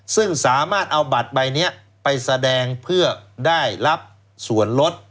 ซึ่งสามารถเอาบัตรใบนี้ไปแสดงเพื่อได้รับส่วนลด